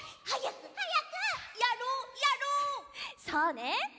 そうね。